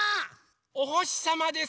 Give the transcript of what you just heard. おほしさまです。